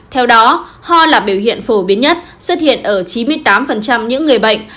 theo đó ho là biểu hiện phổ biến nhất xuất hiện ở chín mươi tám những người bệnh